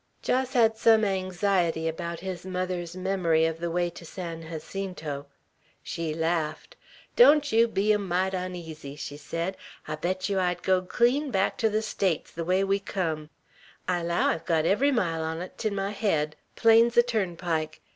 Jos had some anxiety about his mother's memory of the way to San Jacinto. She laughed. "Don't yeow be a mite oneasy," she said. "I bet yeow I'd go clean back ter the States ther way we cum. I allow I've got every mile on 't 'n my hed plain's a turnpike.